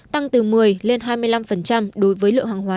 tăng từ một mươi lên hai mươi năm đối với lượng hàng hóa